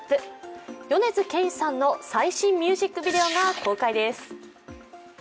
米津玄師さんの最新ミュージックビデオが公開です。